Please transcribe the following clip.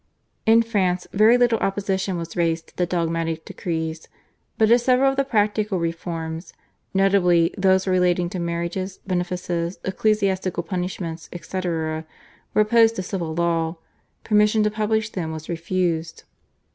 In France very little opposition was raised to the dogmatic decrees, but as several of the practical reforms, notably those relating to marriages, benefices, ecclesiastical punishments, etc., were opposed to civil law, permission to publish them was refused.